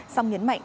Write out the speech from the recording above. xong nhấn mạnh